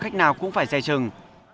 khách nào cũng phải dè chừng